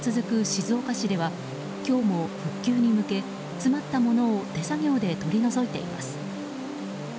静岡市では今日も復旧に向け詰まったものを手作業で取り除いています。